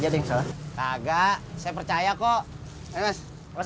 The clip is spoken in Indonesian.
aku agak galau